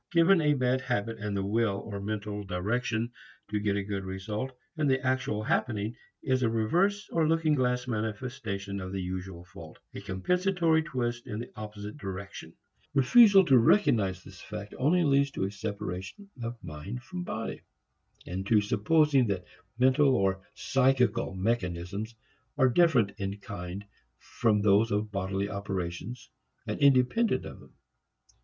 Given a bad habit and the "will" or mental direction to get a good result, and the actual happening is a reverse or looking glass manifestation of the usual fault a compensatory twist in the opposite direction. Refusal to recognize this fact only leads to a separation of mind from body, and to supposing that mental or "psychical" mechanisms are different in kind from those of bodily operations and independent of them.